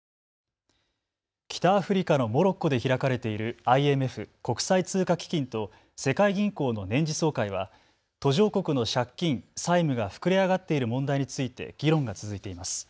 北アフリカのモロッコで開かれているＩＭＦ・国際通貨基金と世界銀行の年次総会は途上国の借金、債務が膨れ上がっている問題について議論が続いています。